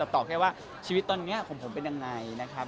ตอบแค่ว่าชีวิตตอนนี้ของผมเป็นยังไงนะครับ